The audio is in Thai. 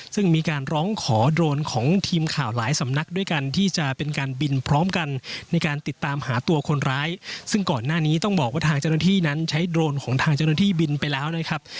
ซึ่งมีการร้องขอโดรนของทีมข่าวหลายสำนักด้วยกันที่จะเป็นการบินพร้อมกันในการติดตามหาตัวคนร้ายซึ่งก่อนหน้านี้ต้องบอกว่าทางเจ้าหน้าที่นั้นใช้โดรนของทางเจ้าหน้าที่บินไปแล้วนะครับ